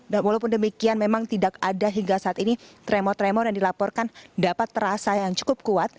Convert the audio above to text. dan walaupun demikian memang tidak ada hingga saat ini tremor tremor yang dilaporkan dapat terasa yang cukup kuat